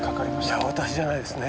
いや私じゃないですね。